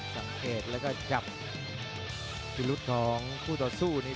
สังเกตแล้วก็จับพิรุษของคู่ต่อสู้นี่